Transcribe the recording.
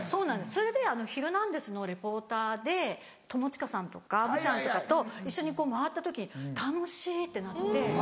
それで『ヒルナンデス！』のリポーターで友近さんとか虻ちゃんとかと一緒にこう回った時「楽しい」ってなって。